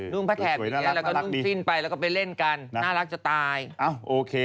นู้งพระแถบอย่างนี้หลังก็นุ่งกรีนไปไปเล่นกันน่ารักจะตายโอเค